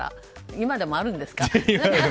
今でもあるんですか？